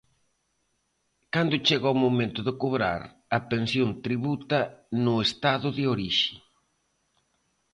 Cando chega o momento de cobrar, a pensión tributa no Estado de orixe.